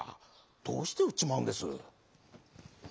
どうしてうっちまうんです？」。